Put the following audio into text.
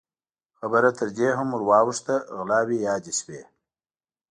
خبره تر دې هم ور واوښته، غلاوې يادې شوې.